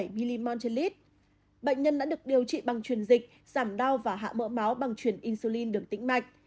bệnh nhân đã được điều trị bằng truyền dịch giảm đau và hạ mỡ máu bằng truyền insulin đường tĩnh mạch